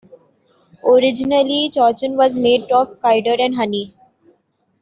Originally chouchen was made of cider and honey.